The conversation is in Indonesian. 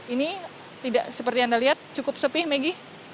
ini tidak seperti yang anda lihat cukup sepi maggie